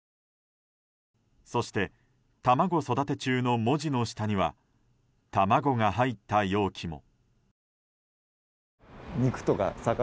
そして「卵育て中」の文字の下には卵が入った容器も。